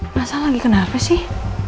masa lagi kenapa sih